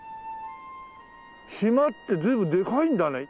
島って随分でかいんだね。